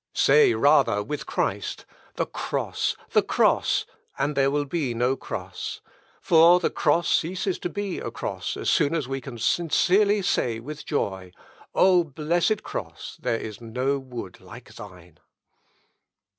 Say rather with Christ, The cross, the cross; and there will be no cross. For the cross ceases to be a cross as soon as we can sincerely say with joy, O blessed cross, there is no wood like thine!"